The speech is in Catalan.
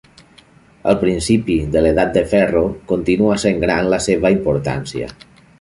Al principi de l'edat de ferro continua sent gran la seva importància.